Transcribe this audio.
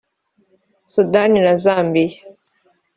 Sudani na Zambia